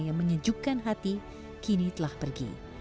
yang menyejukkan hati kini telah pergi